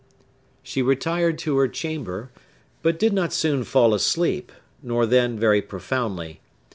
She retired to her chamber, but did not soon fall asleep, nor then very profoundly.